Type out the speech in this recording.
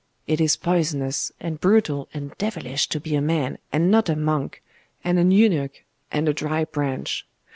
It is poisonous, and brutal, and devilish, to be a man, and not a monk, and an eunuch, and a dry branch.